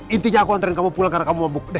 intinya aku antarin kamu pulang karena kamu mabuk